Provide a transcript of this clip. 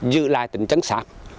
giữ lại tính chân sắc